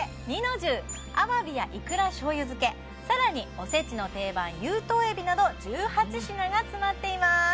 重アワビやいくら醤油漬けさらにおせちの定番有頭海老など１８品が詰まっています